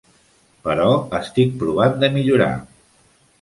Però estic provant de millorar.